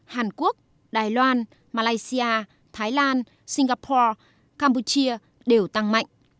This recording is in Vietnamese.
hàn quốc đài loan malaysia thái lan singapore campuchia đều tăng mạnh